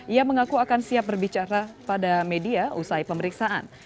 ia mengaku akan siap berbicara pada media usai pemeriksaan